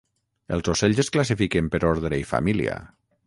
Els ocells es classifiquen per ordre i família.